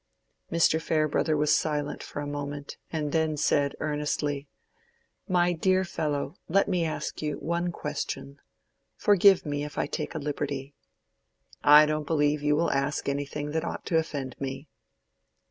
Mr. Farebrother was silent for a moment, and then said earnestly, "My dear fellow, let me ask you one question. Forgive me if I take a liberty." "I don't believe you will ask anything that ought to offend me."